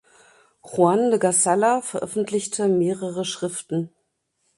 Juan de Cazalla veröffentlichte mehrere Schriften.